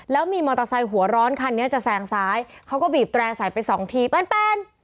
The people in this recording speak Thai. แล้วมีมอเตอร์ไซค์หัวร้อนคันนี้จะแซงซ้ายเขาก็บีบแตร่ใส่ไปสองทีแป้น